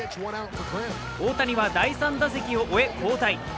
大谷は第３打席を終え交代。